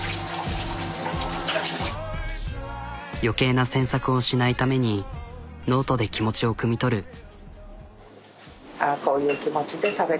余計な詮索をしないためにノートで気持ちをくみ取る。